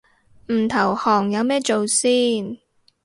唔投降有咩做先